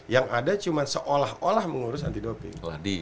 yang ada cuma seolah olah mengurus anti doping